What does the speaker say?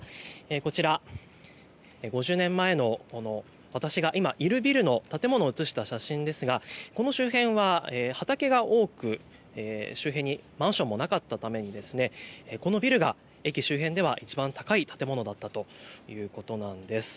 こちら５０年前の私が今いるビルの建物を写した写真ですがこの周辺は畑が多く周辺にマンションもなかったためこのビルが駅周辺ではいちばん高い建物だったということです。